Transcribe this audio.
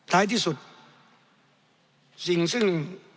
ท้ายที่สุดสิ่งซึ่ง